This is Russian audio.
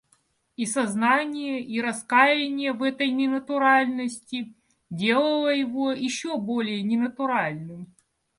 И сознание и раскаяние в этой ненатуральности делало его еще более ненатуральным.